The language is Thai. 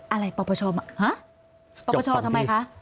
อะไรปปชมาฮะปปชทำไมคะ